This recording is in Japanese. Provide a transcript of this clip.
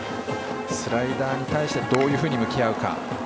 スライダーに対してどういうふうに向き合うか。